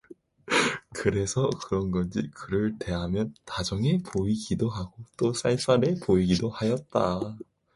그래서 그런지 그를 대하면 다정해 보이기도 하고 또 쌀쌀해 보이기도 하였다.